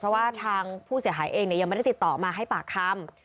เพราะว่าทางผู้เสียหายเองยังไม่ได้ติดต่อมาให้ปากคำ